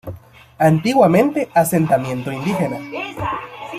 Antiguamente asentamiento indígena.